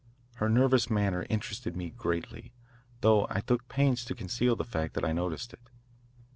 Her nervous manner interested me greatly, though I took pains to conceal the fact that I noticed it.